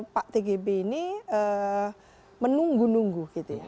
pak tgb ini menunggu nunggu gitu ya